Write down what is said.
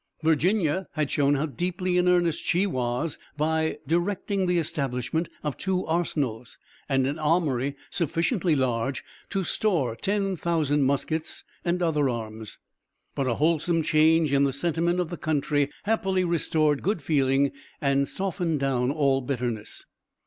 Virginia had shown how deeply in earnest she was by directing the establishment of two arsenals, and an armory sufficiently large to store 10,000 muskets and other arms; but a wholesome change in the sentiment of the country happily restored good feeling and softened down all bitterness.